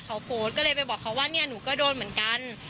เขาโพสต์ก็เลยไปบอกเขาว่าเนี่ยหนูก็โดนเหมือนกัน